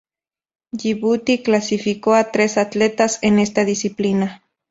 Yibuti clasificó a tres atletas en esta disciplina.